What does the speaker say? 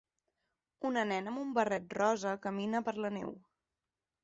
Una nena amb un barret rosa camina per la neu.